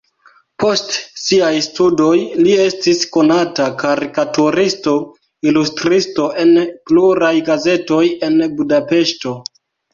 Post siaj studoj li estis konata karikaturisto, ilustristo en pluraj gazetoj en Budapeŝto.